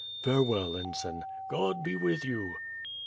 "Farewell, ensign." "God be with you."